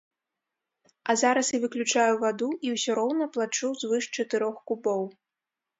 А зараз і выключаю ваду, і ўсё роўна плачу звыш чатырох кубоў.